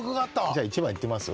じゃ１番いってみます？